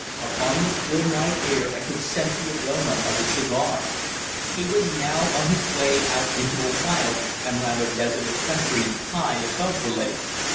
Upon the still night air I could scent the aroma of his cigar. He was now on his way out into a wild and rather desolate country, high above the lake.